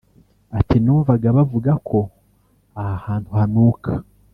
Ati “Numvaga bavuga ko aha hantu hanuka